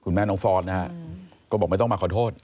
คุณแม่น้องฟอร์ตนะครับก็บอกไม่ต้องมาขอโทษ